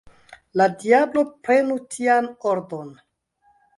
La diablo prenu tian ordon!